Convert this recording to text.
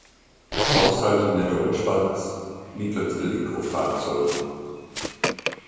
Haushalte in der Deutschschweiz mittels Elektrofahrzeugen.